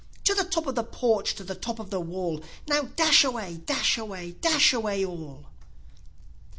To the top of the porch! to the top of the wall! Now dash away! dash away! dash away all!"